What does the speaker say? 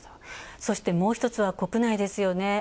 そして、もう一つは国内ですよね。